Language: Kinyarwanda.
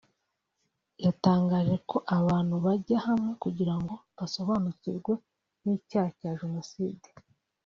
yatangaje ko abantu bajya hamwe kugira ngo basobanukirwe n’icyaha cya Jenoside